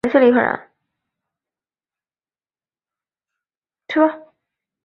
该岛也是富士箱根伊豆国立公园的一部分。